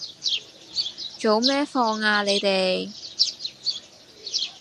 早咩放呀你哋